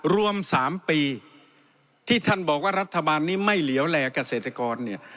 รวม๓ปีที่ท่านบอกว่ารัฐบาลนี้ไม่เหลวแหลกเกษตรกรเนี่ย